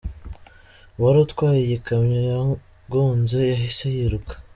Uwari utwaye iyi kamyo yagonze yahise yiruka.